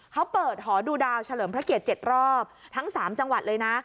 เขาเปิดหอดูดาวเฉลิมพระเกียรติ๗รอบทั้ง๓จังหวัดเลยนะ